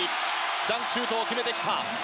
ダンクシュートを決めてきた！